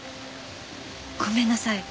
ごめんなさい。